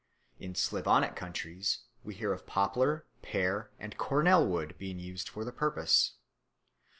In Slavonic countries we hear of poplar, pear, and cornel wood being used for the purpose.